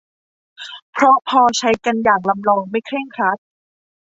เพราะพอใช้กันอย่างลำลองไม่เคร่งครัด